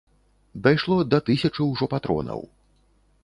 Дайшло да тысячы ўжо патронаў.